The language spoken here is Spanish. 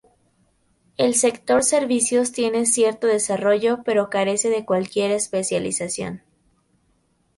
El sector servicios tiene cierto desarrollo pero carece de cualquier especialización.